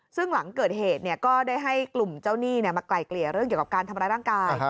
ซึ่งหลังเกิดเหตุก็ได้ให้กลุ่มเจ้าหนี้มาไกลเกลี่ยเรื่องเกี่ยวกับการทำร้ายร่างกาย